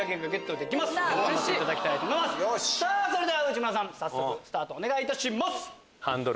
さぁそれでは内村さん早速スタートお願いいたします！